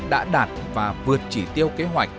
đã đạt và vượt chỉ tiêu kế hoạch